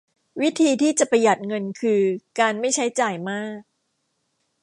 วิธีที่จะประหยัดเงินคือการไม่ใช้จ่ายมาก